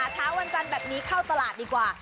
เช้าวันจันทร์แบบนี้เข้าตลาดดีกว่า